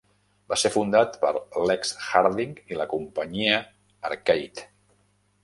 Va ser fundat per Lex Harding i la companyia Arcade.